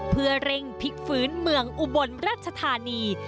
เพื่อเร่งพลิกฟื้นเมืองอุบลรัชธานี